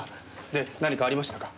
で何かありましたか？